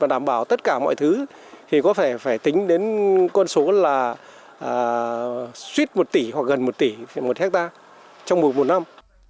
thông báo tất cả mọi thứ thì có phải tính đến con số là suýt một tỷ hoặc gần một tỷ một hectare trong một năm